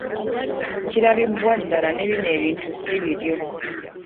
Kirabibwa ddala ne bino ebintu si bibyo.